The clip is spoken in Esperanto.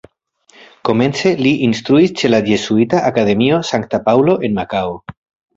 Komence li instruis ĉe la Jezuita Akademio Sankta Paŭlo en Makao.